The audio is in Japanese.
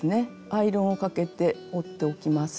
アイロンをかけて折っておきます。